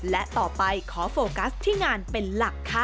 และต่อไปขอโฟกัสที่งานเป็นหลักค่ะ